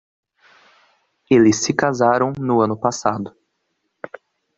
Eles se casaram no ano passado